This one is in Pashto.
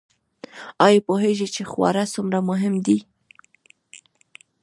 ایا پوهیږئ چې خواړه څومره مهم دي؟